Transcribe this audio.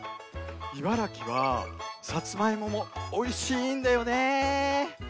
茨城はさつまいももおいしいんだよね！